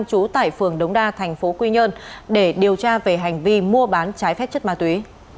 trú tại phường đống đa thành phố quy nhơn để điều tra về hành vi mua bán trái phép chất ma túy